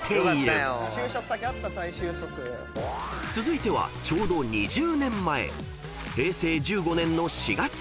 ［続いてはちょうど２０年前］